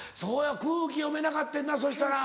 空気読めなかってんなそしたら。